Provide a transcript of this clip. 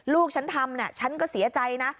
ลูกฉันทำฉันก็เสียใจนะ